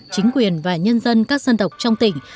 chính quyền và nhân dân các dân tộc trong tỉnh